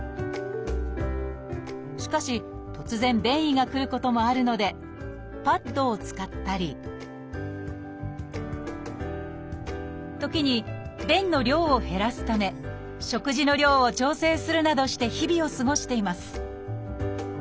しかし突然便意が来ることもあるのでパッドを使ったり時に便の量を減らすため食事の量を調整するなどして日々を過ごしています